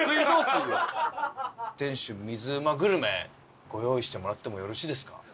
店主水うまグルメご用意してもらってもよろしいですか？